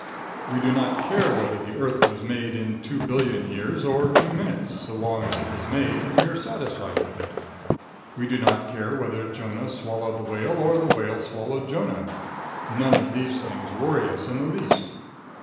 We do not care whether the earth was made in two billion years or two minutes, so long as it was made and we are satisfied with it. We do not care whether Jonah swallowed the whale or the whale swallowed Jonah. None of these things worry us in the least.